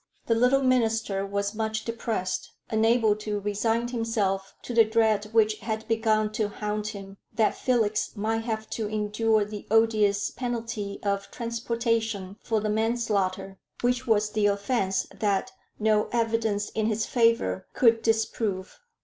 The little minister was much depressed, unable to resign himself to the dread which had begun to haunt him, that Felix might have to endure the odious penalty of transportation for the manslaughter, which was the offence that no evidence in his favor could disprove.